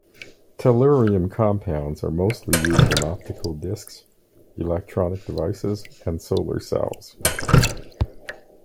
Tellurium compounds are mostly used in optical disks, electronic devices, and solar cells.